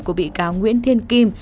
của bị cáo nguyễn thiên kim